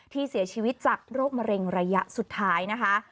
ที่เสียชีวิตจากโรคมะเร็งระยะสุดท้ายนะคะ